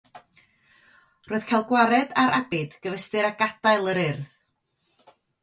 Roedd cael gwared ar abid gyfystyr â gadael yr Urdd.